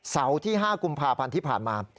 ที่๕กุมภาพันธ์ที่ผ่านมา